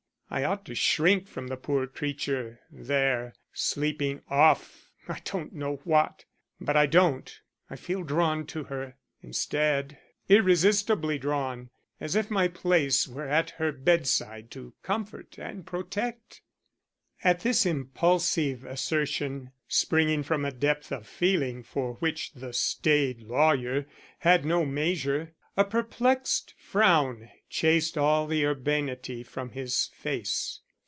I ought to shrink from the poor creature there, sleeping off I don't know what. But I don't. I feel drawn to her, instead, irresistibly drawn, as if my place were at her bedside to comfort and protect." At this impulsive assertion springing from a depth of feeling for which the staid lawyer had no measure, a perplexed frown chased all the urbanity from his face.